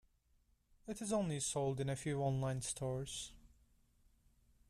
It is only sold in a few online stores.